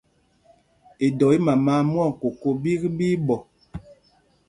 Idɔ í mama a mwɔk koko ɓîk, ɓí í ɓɔ.